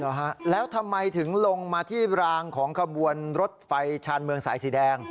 เหรอฮะแล้วทำไมถึงลงมาที่รางของขบวนรถไฟชาญเมืองสายสีแดง